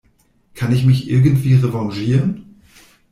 Kann ich mich irgendwie revanchieren?